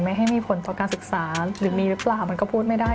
ให้มีผลต่อการศึกษาหรือมีหรือเปล่ามันก็พูดไม่ได้